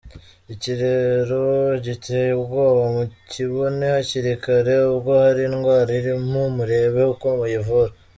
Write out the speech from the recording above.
Iki rero giteye ubwoba mukibone hakiri kare, ubwo hari indwara irimo murebe uko muyivura.